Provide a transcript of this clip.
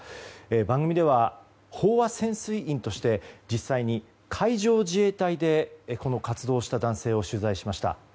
番組では飽和潜水員として実際に海上自衛隊でこの活動をした男性を取材しました。